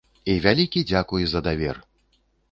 І вялікі дзякуй за давер!